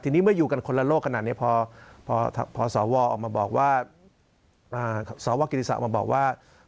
ทีนี้เมื่ออยู่กันคนละโลกขนาดนี้พอสอวรออกมาบอกว่า